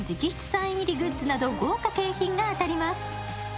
サイン入りグッズなど豪華景品が当たります。